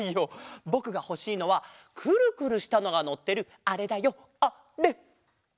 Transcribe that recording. ぼくがほしいのはくるくるしたのがのってるあれだよあれ！